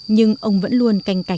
nhưng ông vẫn luôn canh tác